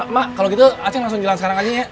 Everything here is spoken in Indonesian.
mak kalau gitu aceh langsung jalan sekarang aja ya